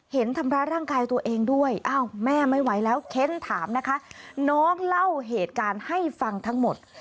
เหตุการณ์ให้ฟังทั้งหมด